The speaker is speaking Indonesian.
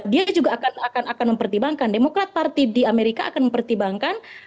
dia juga akan mempertimbangkan demokrat party di amerika akan mempertimbangkan